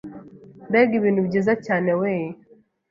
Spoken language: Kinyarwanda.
Mbega ibintu byiza cyane we